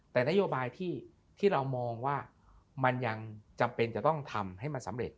แต่นโยบายที่เรามองว่ามันยังจำเป็นจะต้องทำให้มันสำเร็จ